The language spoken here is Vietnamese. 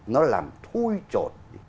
nó làm thui trột